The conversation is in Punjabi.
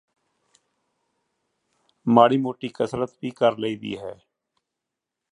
ਮਾੜੀ ਮੋਟੀ ਕਸਰਤ ਵੀ ਕਰ ਲਈਦੀ ਹੈ